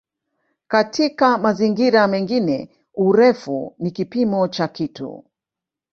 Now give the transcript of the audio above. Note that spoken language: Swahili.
Katika mazingira mengine "urefu" ni kipimo cha kitu.